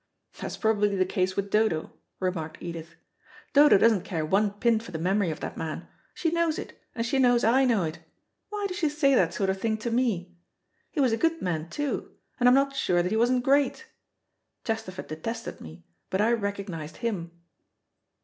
"That's probably the case with Dodo," remarked Edith. "Dodo doesn't care one pin for the memory of that man. She knows it, and she knows I know it. Why does she say that sort of thing to me? He was a good man, too, and I'm not sure that he wasn't great. Chesterford detested me, but I recognised him."